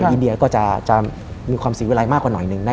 อินเดียก็จะมีความเสียเวลามากกว่าหน่อยหนึ่ง